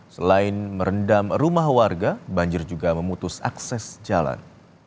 selain merendam rumah warga banjir juga memutus akses jalan